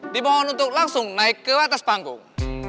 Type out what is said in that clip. dimohon untuk langsung naik ke atas panggung